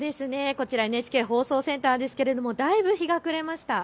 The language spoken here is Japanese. こちら、ＮＨＫ放送センターですけれどもだいぶ日が暮れました。